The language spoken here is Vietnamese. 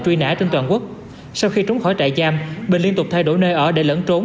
truy nã trên toàn quốc sau khi trốn khỏi trại giam bình liên tục thay đổi nơi ở để lẫn trốn